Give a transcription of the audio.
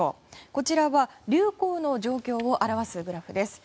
こちらは流行の状況を表すグラフです。